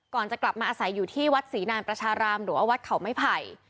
ก่อนจะกลับมาอาศัยอยู่ที่วัดศรีนานประชารามหรือว่าวัดเขาไม้ไผ่